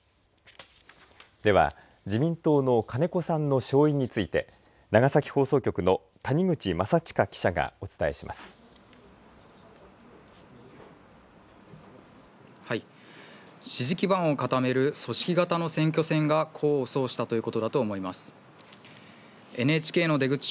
では自民党の金子さんの勝因について長崎放送局の谷口真央記者が支持基盤を固める組織型の選挙戦が功を奏したということだと思います。